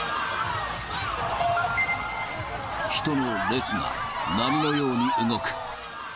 人の列が波のように動く。